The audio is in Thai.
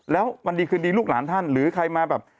แล้ววันดีคืนดีลูกหลานท่านหรือใครมาแบบ